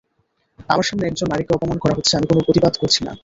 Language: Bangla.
আমার সামনে একজন নারীকে অপমান করা হচ্ছে, আমি কোনো প্রতিবাদ করছি না।